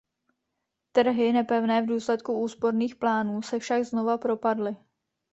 Trhy, nepevné v důsledku úsporných plánů, se však znova propadly.